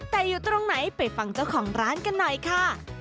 แต่อยู่ตรงไหนไปฟังเจ้าของร้านกันหน่อยค่ะ